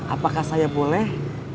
apakah saya boleh